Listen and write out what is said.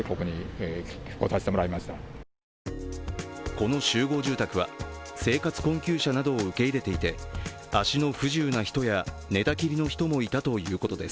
この集合住宅は生活困窮者などを受け入れていて足の不自由な人や寝たきりの人もいたということです。